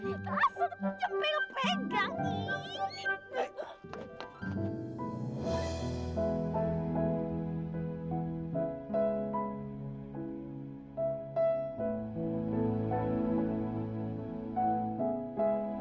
eh lupa aku mau ke rumah